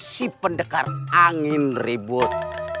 si pendekar angin ribut